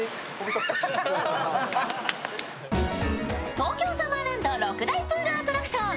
東京サマーランド６大プールアトラクション。